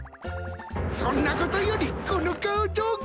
そんなことよりこの顔どうかな？